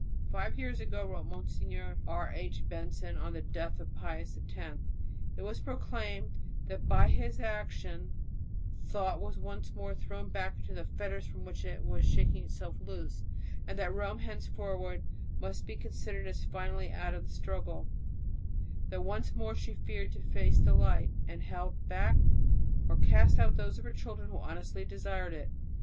"Five years ago," wrote Monsignor R. H. Benson on the death of Pius X, "it was proclaimed that by his action thought was once more thrown back into the fetters from which it was shaking itself loose, and that Rome henceforward must be considered as finally out of the struggle; that once more she had feared to face the light, and held back or cast out those of her children who honestly desired it.